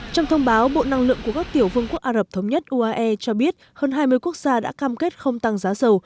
trong thông báo bộ năng lượng của các tiểu vương quốc ả rập thống nhất uae cho biết hơn hai mươi quốc gia đã cam kết không tăng giá dầu